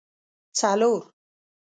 څلور